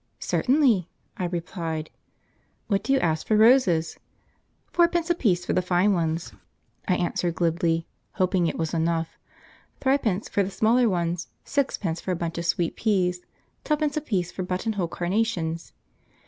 "Certainly," I replied. "What do you ask for roses?" "Fourpence apiece for the fine ones," I answered glibly, hoping it was enough, "thrippence for the small ones; sixpence for a bunch of sweet peas, tuppence apiece for buttonhole carnations."